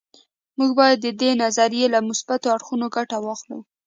موږ باید د دې نظریې له مثبتو اړخونو ګټه واخلو